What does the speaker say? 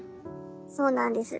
そうなんです。